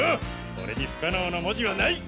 俺に不可能の文字はない！！